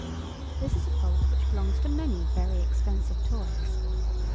This is a fault which belongs to many very expensive toys.